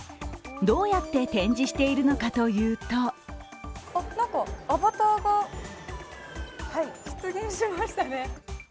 どうやって展示しているのかというと何かアバターが出現しましたね。